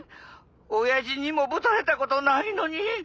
おやじにもぶたれたことないのに！